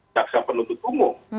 jaksa penuntut umum